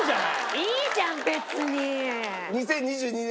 いいじゃん別に。